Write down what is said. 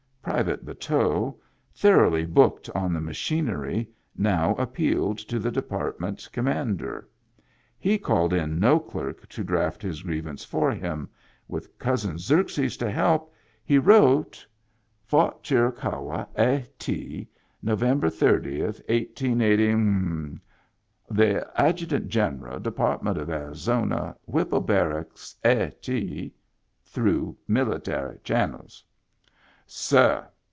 Private Bateau, thoroughly booked on the ma chinery, now appealed to the Department Com mander. He called in no clerk to draft his grievance for him ; with Cousin Xerxes to help, he wrote : Digitized by Google IN THE BACK m F0RT Chiricahua, a. T., Nov. 30, 188 . "The Adjutant General, Department of Arizona, Whipple Barracks, A. T. (Through Military Channels,) " Sir.